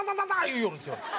言いよるんですよ。